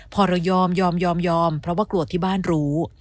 พอเรายอมยอมยอมเพราะว่ากลัวที่บ้านรู้